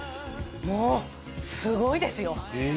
もうすごいですよえ！